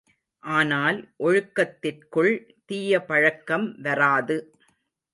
ஆனால் ஒழுக்கத்திற்குள் தீய பழக்கம் வராது.